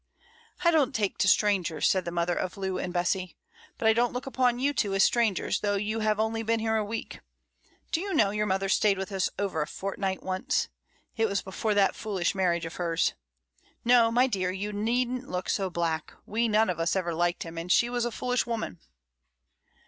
"I don't take to strangers," said the mother of Lou and Bessie; "but I don't look upon you two as strangers, though you have only been here a week. Do you know your mother stayed with us over a fortnight once? It was before that foolish marriage of hers. No, my dear, you needn't look so black. We none of us ever liked him, and she was a foolish woman."